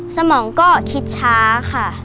สมองก็คิดช้าค่ะ